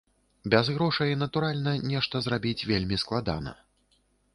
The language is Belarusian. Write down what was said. Без грошай, натуральна, нешта зрабіць вельмі складана.